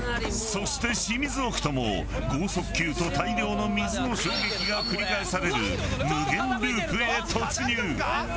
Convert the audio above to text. そしてシミズオクトも剛速球と大量の水の衝撃が繰り返される無限ループへ突入。